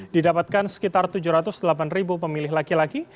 didapatkan sekitar tujuh ratus delapan ribu pemilih laki laki